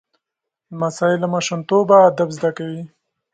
لمسی له ماشومتوبه ادب زده کوي.